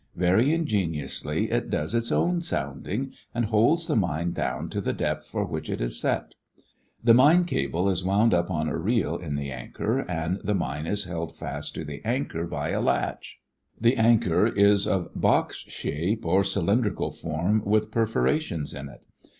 Very ingeniously it does its own sounding and holds the mine down to the depth for which it is set. The mine cable is wound up on a reel in the anchor and the mine is held fast to the anchor by a latch. The anchor is of box shape or cylindrical form, with perforations in it.